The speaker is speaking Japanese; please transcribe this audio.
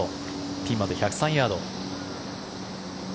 ピンまで１０３ヤード。